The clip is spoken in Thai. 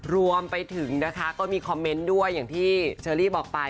รวมไปถึงนะคะก็มีคอมเมนต์ด้วยอย่างที่เชอรี่บอกไป